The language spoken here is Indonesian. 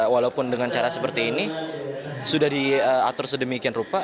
walaupun dengan cara seperti ini sudah diatur sedemikian rupa